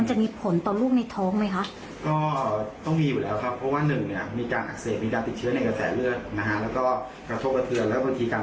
กระทบกระเทือนและบังคิกการให้ยาพวกนี้ก็อาจจะมีผล